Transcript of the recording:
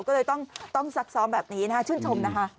ก็เลยต้องซักซ้อมแบบนี้นะคะชื่นชมนะคะ